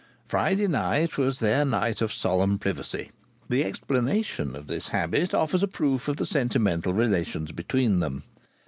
Friday night was their night of solemn privacy. The explanation of this habit offers a proof of the sentimental relations between them.